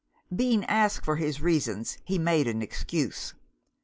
Being asked for his reasons, he made an excuse.